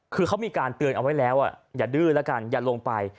คือเขามีการเตือนเอาไว้แล้วอย่าดื้อแล้วกันอย่าลงไป